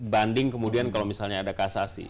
banding kemudian kalau misalnya ada kasasi